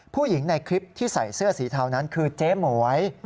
ผู้หญิงในคลิปที่ใส่เสื้อสีเทานั้นคือเจ๊หมวย